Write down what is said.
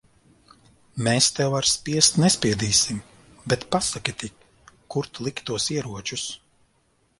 Mēs tev ar spiest nespiedīsim. Bet pasaki tik, kur tu liki tos ieročus?